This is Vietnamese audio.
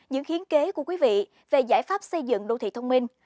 những hiến kế của quý vị về giải pháp xây dựng đô thị thông minh